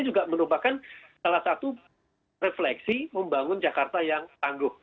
juga merupakan salah satu refleksi membangun jakarta yang tangguh